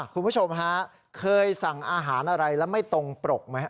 คุณผู้ชมฮะเคยสั่งอาหารอะไรแล้วไม่ตรงปรกไหม